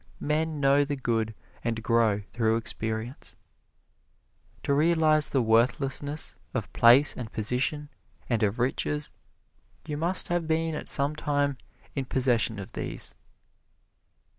Men know the good and grow through experience. To realize the worthlessness of place and position and of riches, you must have been at some time in possession of these.